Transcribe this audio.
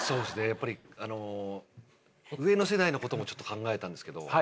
やっぱり上の世代のこともちょっと考えたんですけど。